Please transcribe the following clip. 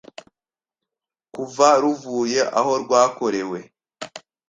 kuva ruvuye aho rwakorewe